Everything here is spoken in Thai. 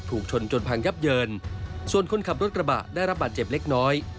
ถูกชนจนพังยับเยินส่วนคนขับรถกระบะได้รับบาดเจ็บเล็กน้อย